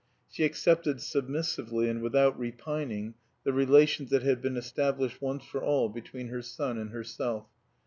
She accepted submissively and without repining the relations that had been established once for all between her son and herself.